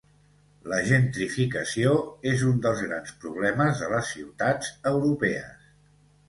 La gentrificació és un dels grans problemes de les ciutats europees.